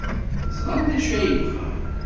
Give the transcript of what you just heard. Ẓran d acu ay bɣan.